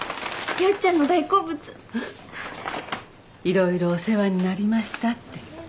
色々お世話になりましたって。